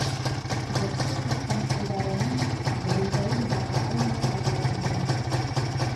Дәфтәр тотҡан ҡулдарының дерелдәүен баҫа алмай ыҙаланды.